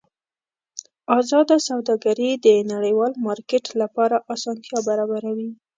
ازاده سوداګري د نړیوال مارکېټ لپاره اسانتیا برابروي.